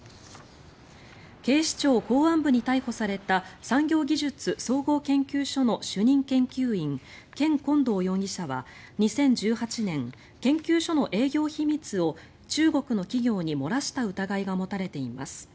警視庁公安部に逮捕された産業技術総合研究所の主任研究員ケン・コウドウ容疑者は２０１８年研究所の営業秘密を中国の企業に漏らした疑いが持たれています。